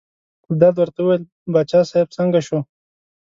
ګلداد ورته وویل باچا صاحب څنګه شو.